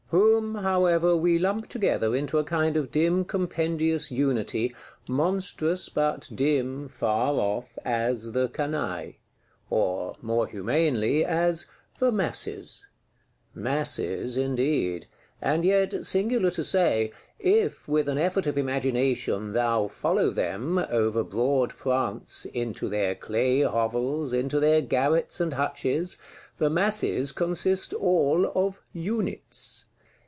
Whom, however, we lump together into a kind of dim compendious unity, monstrous but dim, far off, as the canaille; or, more humanely, as "the masses." Masses, indeed: and yet, singular to say, if, with an effort of imagination, thou follow them, over broad France, into their clay hovels, into their garrets and hutches, the masses consist all of units.